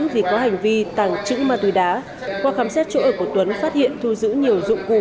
vì có hành vi tàng trữ ma túy đá qua khám xét chỗ ở của tuấn phát hiện thu giữ nhiều dụng cụ